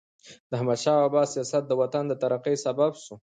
د احمدشاه بابا سیاست د وطن د ترقۍ سبب سو.